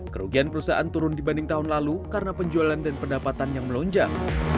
kerugian perusahaan turun dibanding tahun lalu karena penjualan dan pendapatan yang melonjak